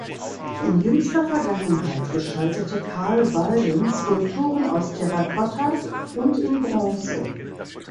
In jüngster Vergangenheit gestaltete Karl Walden Skulpturen aus Terrakotta und in Bronze.